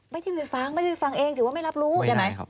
ไม่ได้ไปฟังไม่ได้ฟังเองถือว่าไม่รับรู้ใช่ไหม